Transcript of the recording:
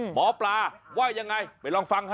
หมอปลาว่ายังไงไปลองฟังฮะ